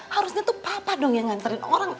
harusnya tuh papa dong yang nganterin orang